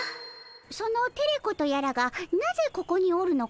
そのテレ子とやらがなぜここにおるのかの？